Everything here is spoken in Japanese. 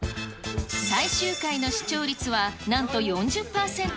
最終回の視聴率はなんと４０％。